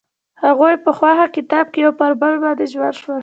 هغوی په خوښ کتاب کې پر بل باندې ژمن شول.